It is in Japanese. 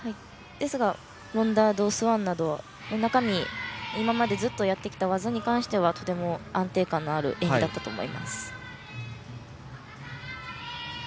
ですが、ロンダートスワンなど今までやってきた技に関してはとても安定感のある演技だったと思います。